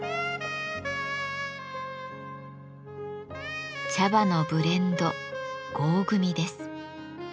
茶葉のブレンド合組です。